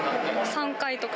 ３回とか。